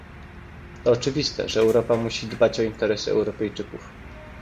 To oczywiste, że Europa musi dbać o interesy Europejczyków